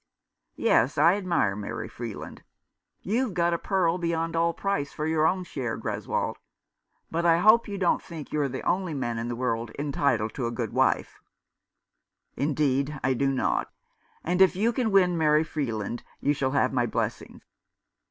Yes, I admire Mary Freeland. You've got a pearl beyond all price for your own share, Greswold ; but I hope you don't think you are the only man in the world entitled to a good wife." " Indeed I do not ; and if you can win Mary Freeland you shall have my blessing."